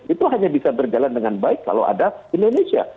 itu hanya bisa berjalan dengan baik kalau ada indonesia